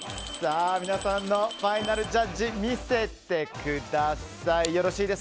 皆さんのファイナルジャッジ見せてください。